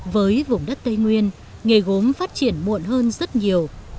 với vùng đất tây nguyên nghề gốm phát triển muộn hơn rất nhiều